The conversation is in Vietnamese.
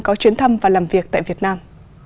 có chuyến thăm và làm việc tại việt nam